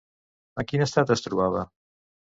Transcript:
En quin estat es trobava?